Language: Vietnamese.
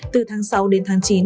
từ tháng sáu đến tháng chín